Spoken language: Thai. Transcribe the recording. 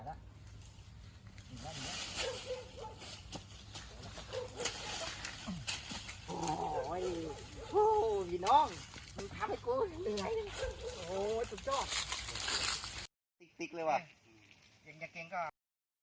วันที่สุดท้ายมันกลายเป็นเวลาที่สุดท้าย